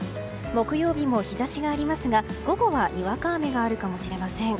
木曜日も日差しがありますが午後はにわか雨があるかもしれません。